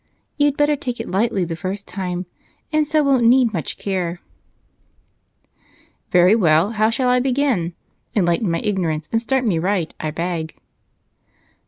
You'd better take it lightly the first time, and so won't need much care." "Very well, how shall I begin? Enlighten my ignorance and start me right, I beg."